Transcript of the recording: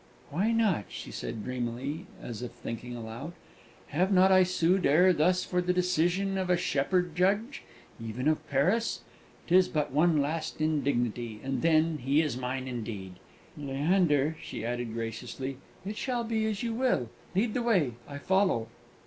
"Why not?" she said dreamily, as if thinking aloud. "Have not I sued ere this for the decision of a shepherd judge even of Paris? 'Tis but one last indignity, and then he is mine indeed! Leander," she added graciously, "it shall be as you will. Lead the way; I follow!"